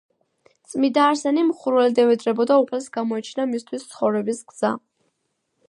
წმიდა არსენი მხურვალედ ევედრებოდა უფალს გამოეჩინა მისთვის ცხოვრების გზა.